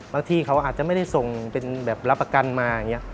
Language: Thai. ที่เขาอาจจะไม่ได้ส่งเป็นแบบรับประกันมาอย่างนี้